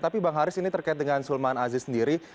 tapi bang haris ini terkait dengan sulman aziz sendiri